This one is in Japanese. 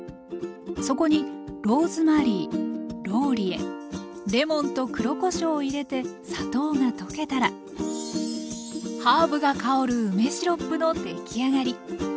そこにローズマリーローリエレモンと黒こしょうを入れて砂糖が溶けたらハーブが香る梅シロップの出来上がり。